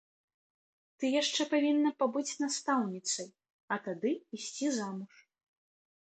Ты яшчэ павінна пабыць настаўніцай, а тады ісці замуж.